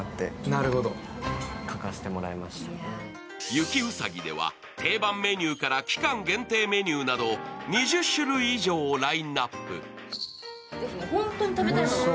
雪うさぎでは定番メニューから期間限定メニューなど２０種類以上をラインナップ。